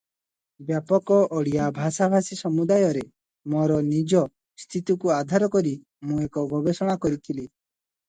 ବ୍ୟାପକ ଓଡ଼ିଆ ଭାଷାଭାଷୀ ସମୁଦାୟରେ ମୋର ନିଜ ସ୍ଥିତିକୁ ଆଧାର କରି ମୁଁ ଏକ ଗବେଷଣା କରିଥିଲି ।